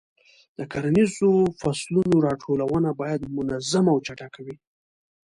د کرنیزو فصلونو راټولونه باید منظمه او چټکه وي.